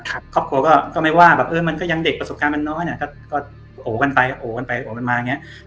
ครอบครัวก็ไม่ว่าแบบเออมันก็ยังเด็กประสบการณ์มันน้อยอ่ะก็โอกันไปโหกันไปโอกันมาอย่างเงี้ย